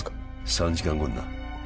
３時間後にな